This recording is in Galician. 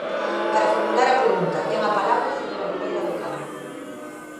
Para formular a pregunta, ten a palabra a señora Viloira do Campo.